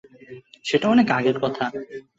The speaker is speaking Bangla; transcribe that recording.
সেটা অনেক আগের কথা।